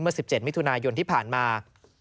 เมื่อ๑๗มิถุนายนที่ผ่านมา